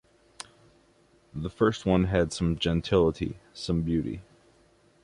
The first one had some gentility, some beauty.